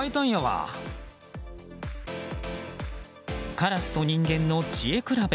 カラスと人間の知恵比べ。